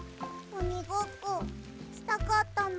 おにごっこしたかったな。